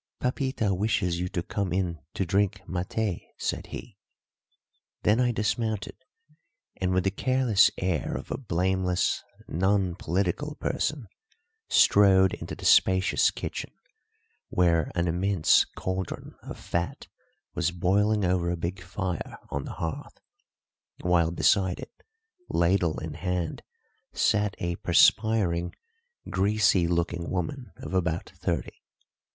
"Papita wishes you to come in to drink maté," said he. Then I dismounted, and, with the careless air of a blameless, non political person, strode into the spacious kitchen, where an immense cauldron of fat was boiling over a big fire on the hearth; while beside it, ladle in hand, sat a perspiring, greasy looking woman of about thirty.